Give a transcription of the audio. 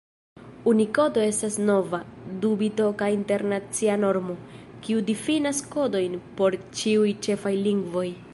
Unikodo estas nova, du-bitoka internacia normo, kiu difinas kodojn por ĉiuj ĉefaj lingvoj.